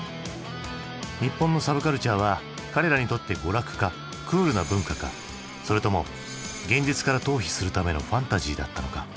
日本のサブカルチャーは彼らにとって娯楽かクールな文化かそれとも現実から逃避するためのファンタジーだったのか？